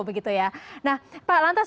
begitu ya nah pak lantas